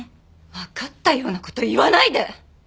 わかったような事言わないで！